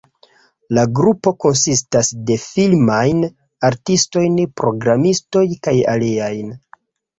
La grupo konsistas de filmajn artistojn, programistoj, kaj aliajn.